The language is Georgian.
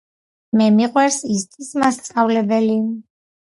მე მიყვარს ისტის მასწავლებელი.